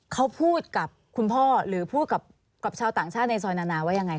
เขาพูดกับคุณพ่อหรือพูดกับชาวต่างชาติในซอยนานาว่ายังไง